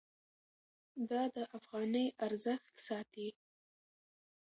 دا د افغانۍ ارزښت ساتي.